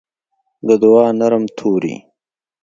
د دوعا نرم توري